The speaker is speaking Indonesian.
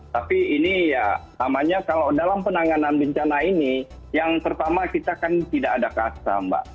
tapi ini ya namanya kalau dalam penanganan bencana ini yang pertama kita kan tidak ada kasta mbak